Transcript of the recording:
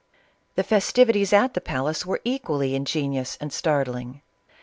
The festivities at the palace were equally inge nious and startling.